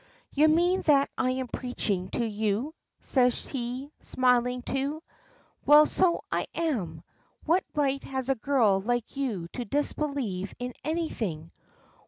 "You mean that I am preaching to you," says he, smiling too. "Well, so I am. What right has a girl like you to disbelieve in anything?